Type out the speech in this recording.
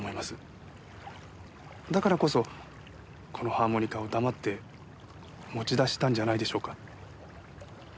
だからこそこのハーモニカを黙って持ち出したんじゃないでしょうか？